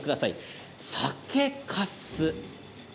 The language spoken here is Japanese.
酒かす。